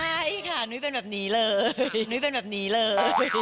ใช่ค่ะหนุ๊ยเป็นแบบนี้เลย